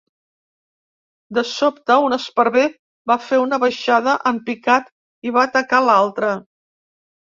De sobte, un esparver va fer una baixada en picat i va atacar l'altre.